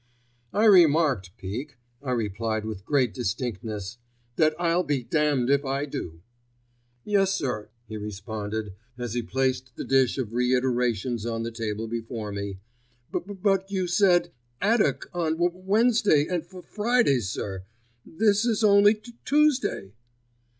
"I remarked, Peake," I replied with great distinctness, "that I'll be damned if I do." "Yes, sir," he responded, as he placed the dish of reiterations on the table before me; "b b b but you said 'addock on W w Wednesdays and F f fridays, sir: this is only T t tuesday."